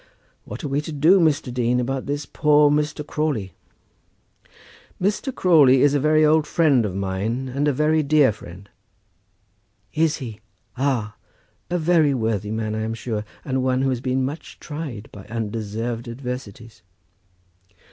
What are we to do, Mr. Dean, about this poor Mr. Crawley?" "Mr. Crawley is a very old friend of mine, and a very dear friend." "Is he? Ah! A very worthy man, I am sure, and one who has been much tried by undeserved adversities."